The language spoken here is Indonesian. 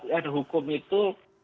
dan hukum itu